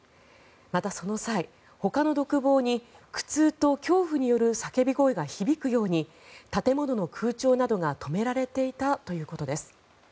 また、その際、ほかの独房に苦痛と恐怖による叫び声が響くように建物の空調などが止められていたということです。